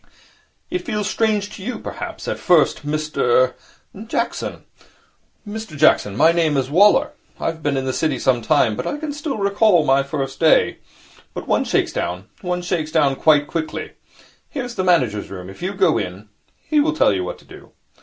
'It feels strange to you, perhaps, at first, Mr ' 'Jackson.' 'Mr Jackson. My name is Waller. I have been in the City some time, but I can still recall my first day. But one shakes down. One shakes down quite quickly. Here is the manager's room. If you go in, he will tell you what to do.'